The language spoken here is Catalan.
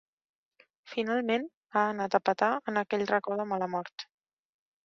Finalment, ha anat a petar en aquell racó de mala mort.